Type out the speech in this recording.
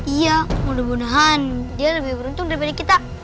iya mudah mudahan dia lebih beruntung daripada kita